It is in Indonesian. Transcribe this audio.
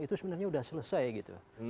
itu sebenarnya sudah selesai gitu